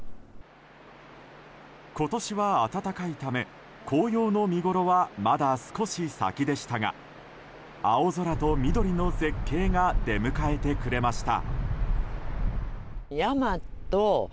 今年は暖かいため、紅葉の見ごろはまだ少し先でしたが青空と緑の絶景が出迎えてくれました。